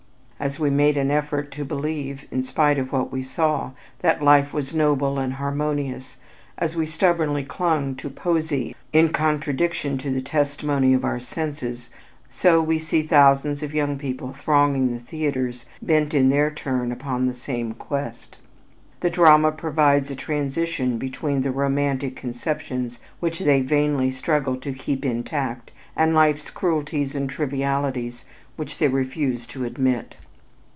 As we made an effort to believe, in spite of what we saw, that life was noble and harmonious, as we stubbornly clung to poesy in contradiction to the testimony of our senses, so we see thousands of young people thronging the theaters bent in their turn upon the same quest. The drama provides a transition between the romantic conceptions which they vainly struggle to keep intact and life's cruelties and trivialities which they refuse to admit.